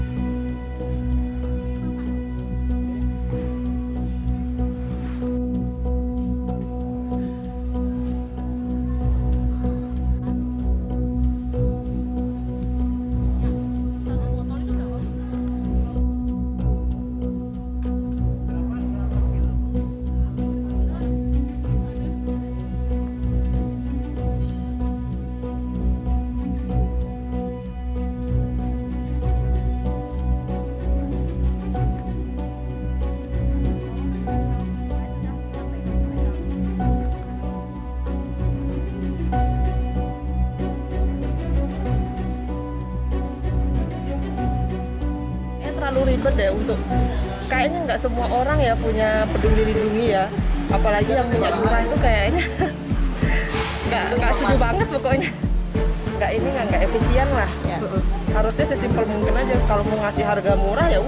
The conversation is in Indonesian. jangan lupa like share dan subscribe channel ini untuk dapat info terbaru